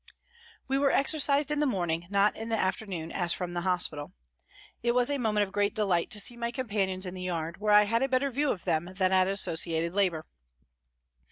We were exercised in the morning, not in the afternoon as from the hospital. It was a moment of great delight to see my companions in the yard, where I had a better view of them than at associated labour.